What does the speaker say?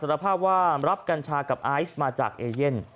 สารภาพว่ารับกัญชากับอาอิสมาจากเอเย็น